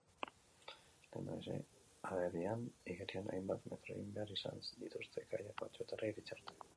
Lehendabizi igerian hainbat metro egin behar izan dituzte kayak batzuetara iritsi arte.